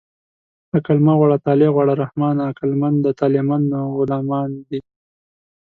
عقل مه غواړه طالع غواړه رحمانه عقلمند د طالعمندو غلامان دي